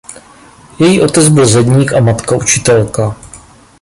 Její otec byl zedník a matka učitelka.